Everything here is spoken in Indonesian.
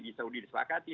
di saudi disepakati